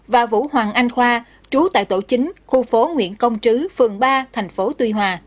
và vũ hoàng anh khoa trú tại tổ chính khu phố nguyễn công trứ phường ba thành phố tuy hòa